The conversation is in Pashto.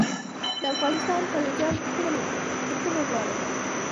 د افغانستان خلجیان پر کومه ولاړل.